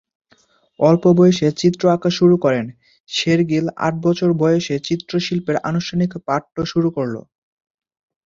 অল্প বয়সে চিত্র আঁকা শুরু করেন, শের-গিল আট বছরের বয়সে চিত্রশিল্পের আনুষ্ঠানিক পাঠ্য শুরু করলো।